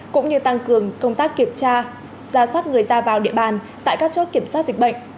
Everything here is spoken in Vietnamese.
cũng như tăng cường công tác kiểm tra giả soát người ra vào địa bàn tại các chốt kiểm soát dịch bệnh